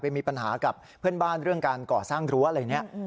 มีปัญหากับเพื่อนบ้านเรื่องการก่อสร้างรั้วอะไรเนี่ย